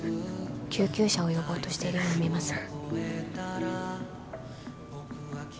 救急車を呼ぼうとしているように見えます